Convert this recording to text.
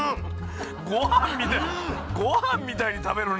ごはんみたいにごはんみたいに食べるね。